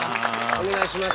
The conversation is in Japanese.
お願いします。